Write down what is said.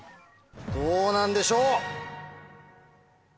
どうなんでしょう？